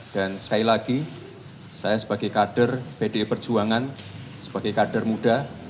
dan sekali lagi saya sebagai kader bdi perjuangan sebagai kader muda